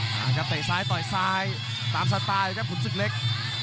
ต่อยซ้ายต่อยซ้ายตามสไตล์ครับคุณศึกเล็ก